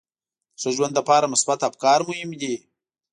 د ښه ژوند لپاره مثبت افکار مهم دي.